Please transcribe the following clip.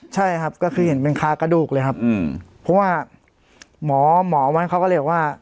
ใช่ครับก็คือเห็นเป็นคากระดูกเลยครับเพราะว่าหมอหมอมันเขาก็เลยบอกว่า